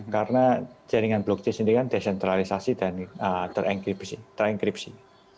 karena jaringan blockchain sendiri kan desentralisasi dan terenkripsi